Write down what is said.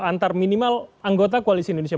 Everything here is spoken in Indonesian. antara minimal anggota kualisi indonesia